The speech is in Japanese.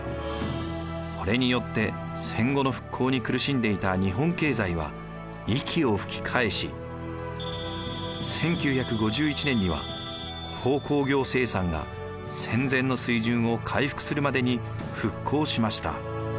これによって戦後の復興に苦しんでいた日本経済は息を吹き返し１９５１年には鉱工業生産が戦前の水準を回復するまでに復興しました。